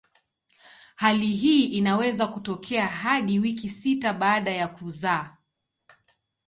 Hali hii inaweza kutokea hadi wiki sita baada ya kuzaa.